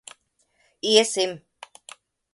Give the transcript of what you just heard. Iesim.